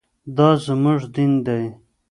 دا زموږ دین دی.